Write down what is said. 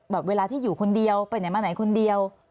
เวลาที่อยู่คนเดียวไปไหนมาไหนคนเดียว